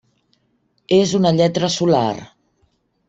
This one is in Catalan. És una lletra solar.